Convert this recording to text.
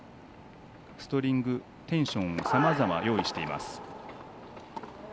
ストリング、テンションさまざま用意しています。